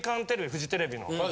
フジテレビの。